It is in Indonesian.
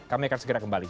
kami akan segera kembali